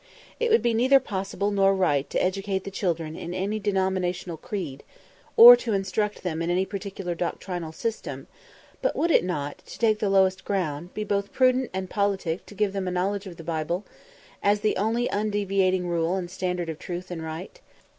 It would be neither possible nor right to educate the children in any denominational creed, or to instruct them in any particular doctrinal system, but would it not, to take the lowest ground, be both prudent and politic to give them a knowledge of the Bible, as the only undeviating rule and standard of truth and right?